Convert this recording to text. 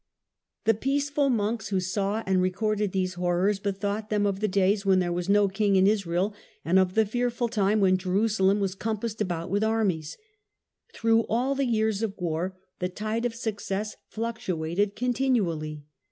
The peaceful matilda's successes. 13 monks, who saw and recorded these horrors, bethought them of the days when there was no king in Israel, and of the fearful time when Jerusalem was compassed about with armies. Through all the years of war the tide of success fluctuated continually.